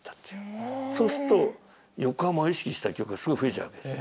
そうすっと横浜意識した曲すごい増えちゃうわけですよ。